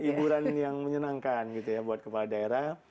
iburannya yang menyenangkan untuk kepala daerah